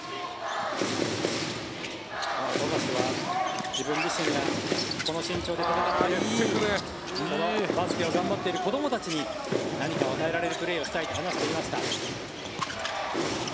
富樫は自分自身がこの身長で戦ってバスケを頑張っている子どもたちに何かを与えられるプレーをしたいと話していました。